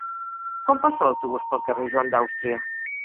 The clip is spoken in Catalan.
Quan passa l'autobús pel carrer Joan d'Àustria?